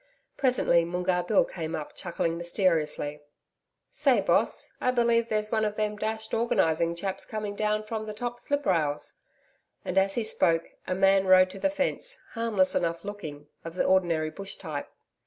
Presently Moongarr Bill came up, chuckling mysteriously, 'Say, Boss, I believe there's one of them dashed organising chaps coming down now from the top sliprails.' And as he spoke, a man rode to the fence, harmless enough looking, of the ordinary bush type.